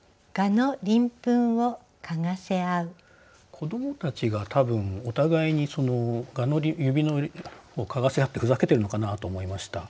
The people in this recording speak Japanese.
子どもたちが多分お互いに蛾の指のを嗅がせあってふざけてるのかなと思いました。